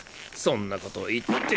そんなこと言って。